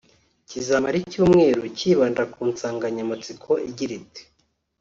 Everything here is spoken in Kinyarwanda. kizamara icyumweru cyibanda ku nsanganyamatsiko igira iti